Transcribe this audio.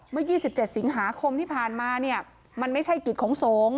เมื่อยี่สิบเจ็ดสิงหาคมที่ผ่านมาเนี่ยมันไม่ใช่กฤทธิ์ของสงส์